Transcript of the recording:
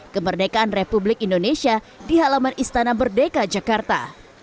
kemerdekaan republik indonesia di halaman istana merdeka jakarta